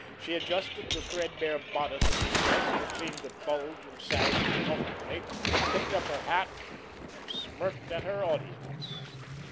She adjusted the threadbare bodice of her dress that seemed to bulge and sag uncomfortably, picked up her hat, and smirked at her audience.